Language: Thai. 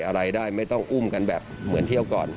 อะไรได้ไม่ต้องอุ้มกันแบบ